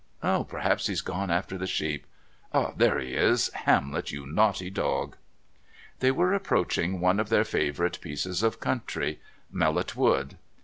Perhaps he's gone after the sheep. Ah! there he is! Hamlet, you naughty dog!'" They were approaching one of their favourite pieces of country Mellot Wood.